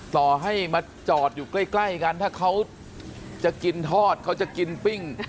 ต่อให้มาจอดอยู่ใกล้กันถ้าเขาจะกินทอดเขาจะกินปิ้ง